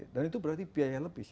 dan itu berarti biaya lebih